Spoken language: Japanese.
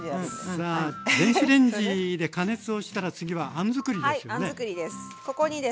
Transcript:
さあ電子レンジで加熱をしたら次はあん作りですよね。